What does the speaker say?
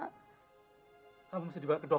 aku mohon ya allah